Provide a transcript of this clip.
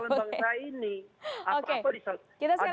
nah inilah yang menjadi keseluruhan bangsa ini